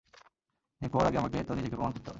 নিয়োগ পাবার আগে আমাকে তো নিজেকে প্রমাণ করতে হবে।